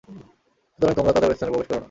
সুতরাং তোমরা তাদের ঐ স্থানে প্রবেশ করো না।